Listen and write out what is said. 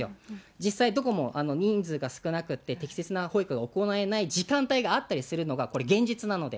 実際、どこも人数が少なくって、適切な保育が行えない時間帯があったりするのが、これ、現実なので。